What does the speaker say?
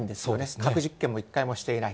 核実験も一回もしていない。